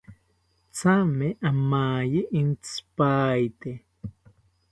Thame amaye intzipaete